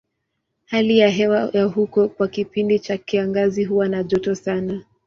Hali ya hewa ya huko kwa kipindi cha kiangazi huwa na joto sana.